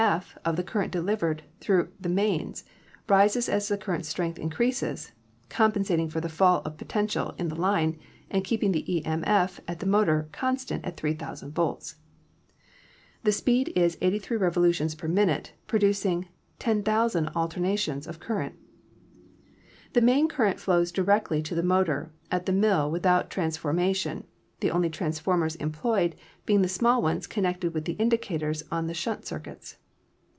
f. of the current delivered through the mains rises as the current strength increases, compen sating for the fall of potential in the line and keeping the e.m.f. at the motor constant at 3,000 volts. The speed is 83 revolutions per minute, producing 10,000 alternations of current. 'The main current flows directly to the motor at the mill without transformation, the only transformers em ployed being the small ones connected with the indicators on the shunt circuits.